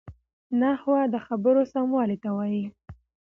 نحوه د خبرو سموالی ساتي.